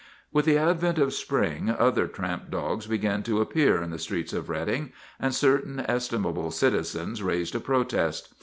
With the advent of spring other tramp dogs be gan to appear in the streets of Reading, and certain estimable citizens raised a protest.